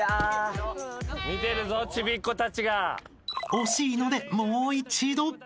［惜しいのでもう一度］